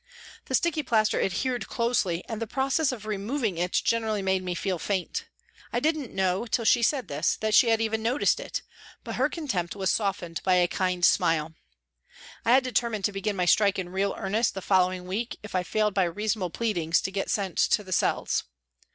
The sticky plaster adhered closely and the process of removing it generally made me feel faint. I didn't know till she said this that she had even noticed it, but her contempt was softened by a kind smile. I had determined to begin my strike in real earnest the following week if I failed by reasonable pleadings to get sent to the cells.